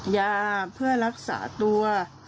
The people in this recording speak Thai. ยาเพื่อรักษาตัว